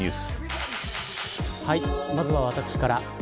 まずは私から。